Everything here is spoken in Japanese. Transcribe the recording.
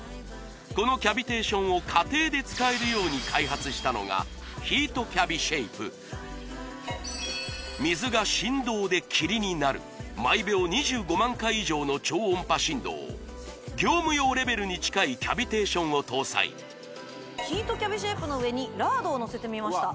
このキャビテーションを家庭で使えるように開発したのがヒートキャビシェイプ水が振動で霧になる業務用レベルに近いキャビテーションを搭載ヒートキャビシェイプの上にラードをのせてみました